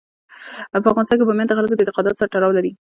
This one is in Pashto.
په افغانستان کې بامیان د خلکو د اعتقاداتو سره تړاو لري.